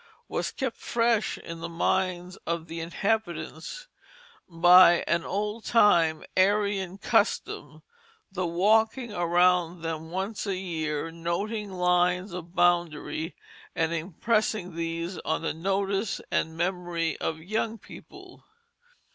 was kept fresh in the minds of the inhabitants by an old time Aryan custom, the walking around them once a year, noting lines of boundary, and impressing these on the notice and memory of young people.